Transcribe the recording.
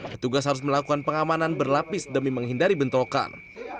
petugas harus melakukan pengamanan berlapis demi menghindari bentrokan